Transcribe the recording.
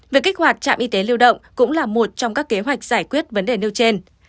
việc kích hoạt trạm y tế lưu động cũng là một trong các kế hoạch giải quyết vấn đề nêu trên